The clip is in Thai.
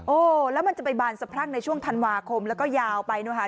แล้วมันจะไปบานสะพรั่งในช่วงธันวาคมแล้วก็ยาวไปนะคะ